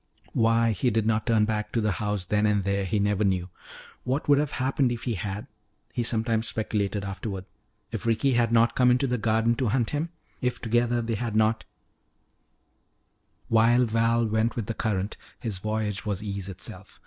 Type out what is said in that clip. Why he did not turn back to the house then and there he never knew. What would have happened if he had? he sometimes speculated afterward. If Ricky had not come into the garden to hunt him? If together they had not While Val went with the current, his voyage was ease itself.